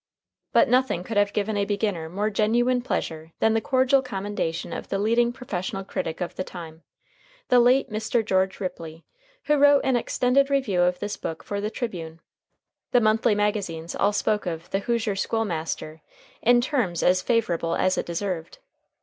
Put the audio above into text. But nothing could have given a beginner more genuine pleasure than the cordial commendation of the leading professional critic of the time, the late Mr. George Ripley, who wrote an extended review of this book for the Tribune. The monthly magazines all spoke of "The Hoosier School Master" in terms as favorable as it deserved.